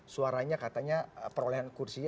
suaranya katanya perolehan kursinya